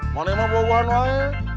mana emang bawa buah noe